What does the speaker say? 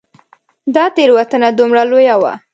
دا تېروتنه دومره لویه وه.